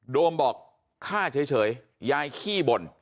โมบอกฆ่าเฉยยายขี้บ่น